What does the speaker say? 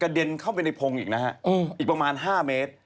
กระเด็นเข้าไปในพงษ์อีกประมาณ๕เมตร